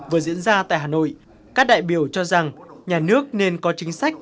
vừa diễn ra tại hà nội các đại biểu cho rằng nhà nước nên có chính sách